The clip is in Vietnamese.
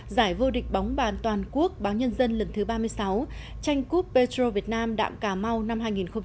giải vô địch bóng bàn toàn quốc báo nhân dân lần thứ ba mươi sáu tranh cúp petro việt nam đạm cà mau năm hai nghìn một mươi chín